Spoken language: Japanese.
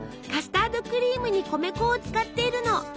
カスタードクリームに米粉を使っているの。